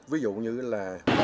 ví dụ như là